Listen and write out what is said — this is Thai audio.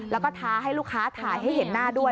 แล้วก็ท้าให้ลูกค้าถ่ายให้เห็นหน้าด้วย